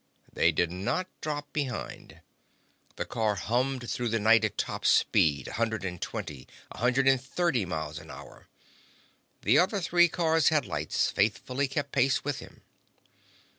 They did not drop behind. The car hummed through the night at top speed—a hundred and twenty, a hundred and thirty miles an hour. The three other cars' headlights faithfully kept pace with him.